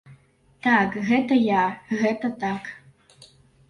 Так, гэта я, гэта так.